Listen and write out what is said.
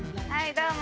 どうも。